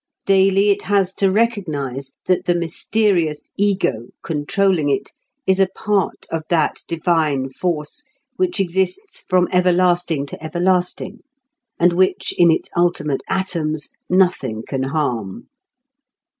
Daily it has to recognize that the mysterious Ego controlling it is a part of that divine Force which exists from everlasting to everlasting, and which, in its ultimate atoms, nothing can harm.